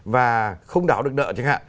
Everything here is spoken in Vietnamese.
và không đáo được nợ chẳng hạn